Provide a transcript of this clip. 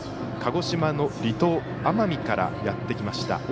鹿児島の離島、奄美からやってきました。